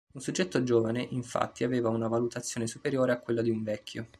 Un soggetto giovane, infatti, aveva una valutazione superiore a quella di uno vecchio.